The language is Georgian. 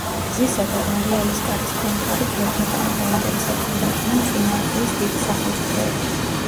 გზისა და დარიალის კარის კონტროლი ძველთაგანვე დაინტერესებულნი იყვნენ წინა აზიის დიდი სახელმწიფოები.